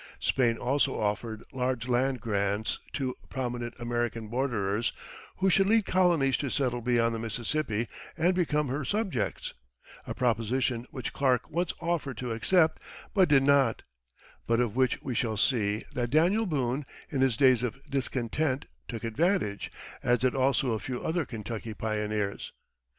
Spain also offered large land grants to prominent American borderers who should lead colonies to settle beyond the Mississippi and become her subjects a proposition which Clark once offered to accept, but did not; but of which we shall see that Daniel Boone, in his days of discontent, took advantage, as did also a few other Kentucky pioneers.